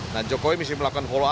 nah jokowi mesti melakukan follow u